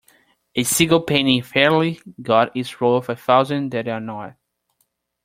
A single penny fairly got is worth a thousand that are not.